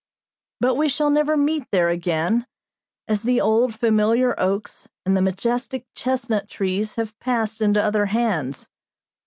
But we shall never meet there again, as the old, familiar oaks and the majestic chestnut trees have passed into other hands.